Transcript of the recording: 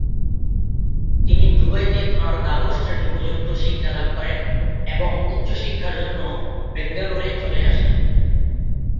তিনি দুবাইতে তাঁর দ্বাদশ শ্রেণি পর্যন্ত শিক্ষালাভ করেন এবং উচ্চ শিক্ষার জন্য ব্যাঙ্গালোর চলে আসেন।